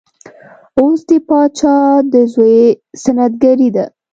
اوس د پاچا د زوی سنت ګري ده.